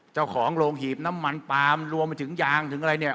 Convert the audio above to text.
เจ้าของโรงหีบน้ำมันปาล์มรวมไปถึงยางถึงอะไรเนี่ย